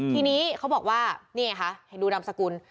ทีนี้เขาบอกว่านี่ค่ะให้ดูดำสกุล